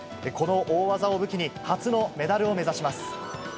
この大技を武器に、初のメダルを目指します。